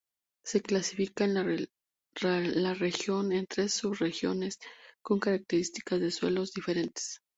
Se clasifica la región en tres subregiones, con características de suelo diferentes.